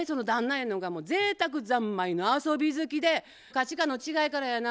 ゆうのが贅沢三昧の遊び好きで価値観の違いからやな